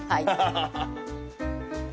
ハハハハ。